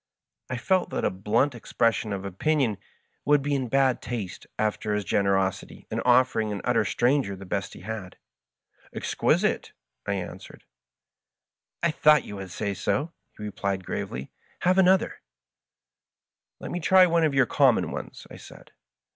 I felt that a blunt expression of opinion would be in bad taste after his generosity in offering an utter stranger the best he had. " Exquisite I " I answered. " I thought you would say so," he replied, gravely. " Have another 1 " "Let me try one of your common ones," I said.